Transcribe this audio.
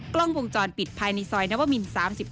กล้องวงจรปิดภายในซอยนวมิน๓๕